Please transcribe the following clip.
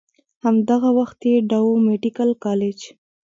هم دغه وخت ئې ډاؤ ميډيکل کالج